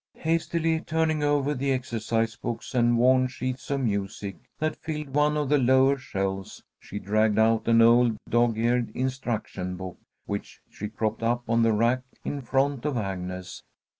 Hastily turning over the exercise books and worn sheets of music that filled one of the lower shelves, she dragged out an old dog eared instruction book, which she propped up on the rack in front of Agnes.